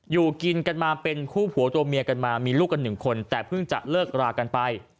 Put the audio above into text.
อยู่กินกันมาเป็นคู่ผัวตัวเมียกันมามีลูกกันหนึ่งคนแต่เพิ่งจะเลิกรากันไป